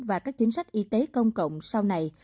và các chính sách y tế công cộng sau này